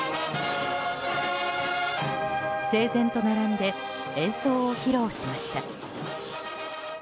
整然と並んで演奏を披露しました。